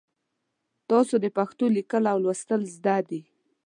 تاسو د پښتو لیکل او لوستل زده دي؟